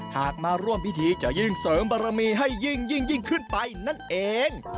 หากมาร่วมพิธีจะยิ่งเสริมบารมีให้ยิ่งขึ้นไปนั่นเอง